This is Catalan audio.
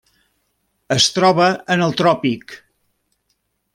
Es troba en el tròpic.